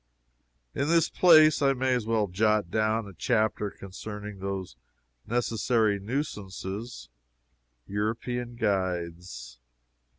In this place I may as well jot down a chapter concerning those necessary nuisances, European guides.